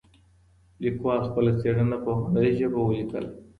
لیکوال خپله څېړنه په هنري ژبه ولیکله.